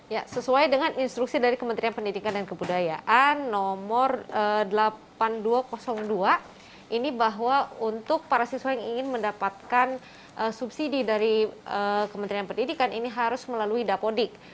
ya sesuai dengan instruksi dari kementerian pendidikan dan kebudayaan nomor delapan ribu dua ratus dua ini bahwa untuk para siswa yang ingin mendapatkan subsidi dari kementerian pendidikan ini harus melalui dapodik